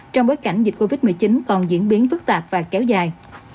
trong bối cảnh dịch covid một mươi chín còn diễn biến phức tạp và kéo dài